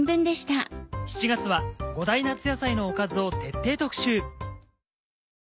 ７月は５大夏野菜のおかずを徹底特集。